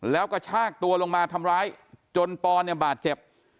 แล้วกระชากตัวลงมาทำร้ายจนปอนเนี่ยบาดเจ็บ